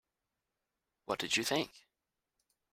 What did you think?